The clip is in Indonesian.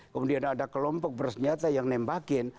kemudian ada kelompok bersenjata yang nembakin